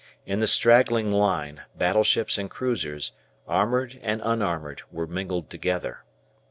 In the straggling line battleships and cruisers, armoured and unarmoured, were mingled together.